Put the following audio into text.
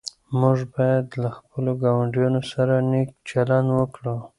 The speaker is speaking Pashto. موږ باید له خپلو ګاونډیانو سره نېک چلند وکړو.